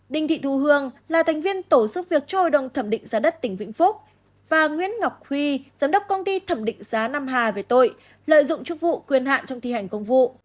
đinh thị thu hương là thành viên tổ giúp việc cho hội đồng thẩm định giá đất tỉnh vĩnh phúc và nguyễn ngọc huy giám đốc công ty thẩm định giá nam hà về tội lợi dụng chức vụ quyền hạn trong thi hành công vụ